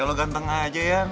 kau lo ganteng aja yan